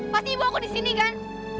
pasti ibu aku di sini kan